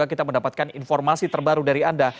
dan juga kita mendapatkan informasi terbaru dari anda